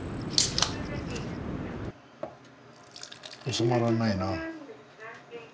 収まらないな。